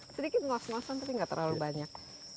sedikit ngos ngosan tapi nggak terlalu banyak